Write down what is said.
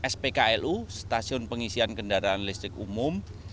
spklu stasiun pengisian kendaraan listrik umum